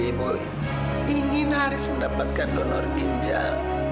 ibu ingin harus mendapatkan donor ginjal